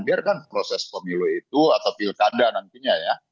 biarkan proses pemilu itu atau pilkada nantinya ya